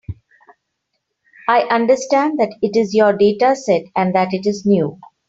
I understand that it is your dataset, and that it is new.